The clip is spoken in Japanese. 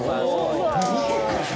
見てください